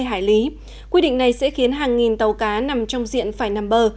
bốn mươi hải lý quy định này sẽ khiến hàng nghìn tàu cá nằm trong diện phải nằm bờ